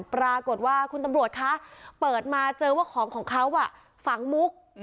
ปรากฏว่าคุณตำรวจคะเปิดมาเจอว่าของของเขาฝังมุก